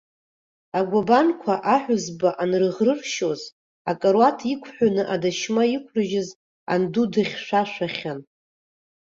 Агәабанқәа аҳәызба анрыӷрыршьуаз, акаруаҭ иқәҳәаны адашьма иқәрыжьыз анду дыхьшәашәахьан.